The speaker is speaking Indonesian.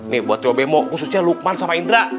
nih buat cowok bemo khususnya lukman sama indra